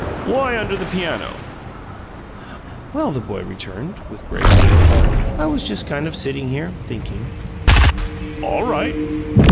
"Why under the piano?" "Well," the boy returned, with grave sweetness, "I was just kind of sitting here thinking." "All right."